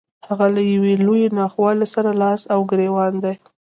هغه له يوې لويې ناخوالې سره لاس او ګرېوان دی.